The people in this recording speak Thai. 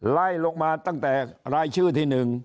ไล่ลงมาตั้งแต่รายชื่อที่๑